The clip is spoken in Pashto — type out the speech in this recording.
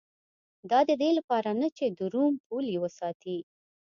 دا د دې لپاره نه چې د روم پولې وساتي